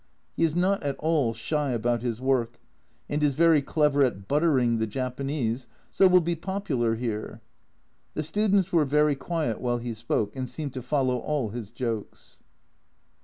He is not at all shy about his work, and is very clever at "buttering" the Japanese, so will be popular here. The students were very quiet while he spoke, and seemed to follow all his jokes.